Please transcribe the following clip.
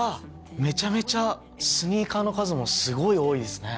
めちゃめちゃスニーカーの数もすごい多いですね。